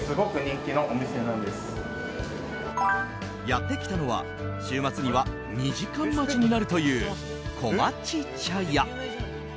やって来たのは週末には２時間待ちになるというこまち茶屋。